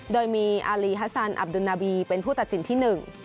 โดยมีอารีฮัสซันอับดุลนาบีเป็นผู้ตัดสินที่หนึ่ง